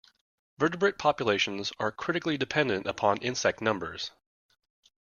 Vertebrate populations are critically dependent upon insect numbers.